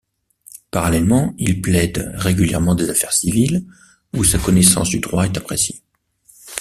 Parallèlement, il plaide régulièrement des affaires civils, où sa connaissance du Droit est appréciée.